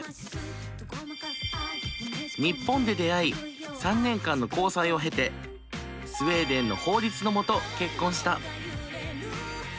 日本で出会い３年間の交際を経てスウェーデンの法律のもと結婚した。